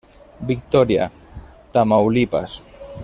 Victoria, Tamaulipas.